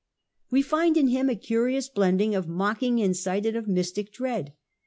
We find in him a curious blending of mocking insight and of mystic dread.